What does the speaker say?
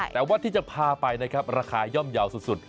แต่ว่าที่จะพาไปนะครับราคาย่อมเยาว์สุด